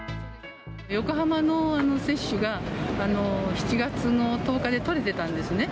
横浜の接種が７月の１０日で取れてたんですね。